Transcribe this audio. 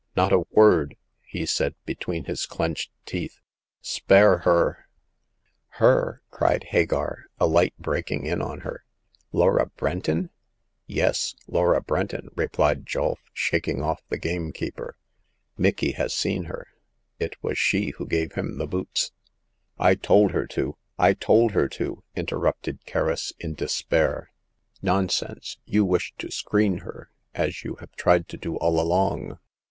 not a word !" he said, between his clenched teeth. Spare her !"" Her !" cried Hagar, a light breaking in on her. " Laura Brenton ?"" Yes, Laura Brenton, replied Julf, shaking off the gamekeeper. " Micky has seen her ; it was she who gave him the boots." I told her to ; I told her to !" interrupted Kerris, in despair. " Nonsense ! you wish to screen her, as you have tried to do all along.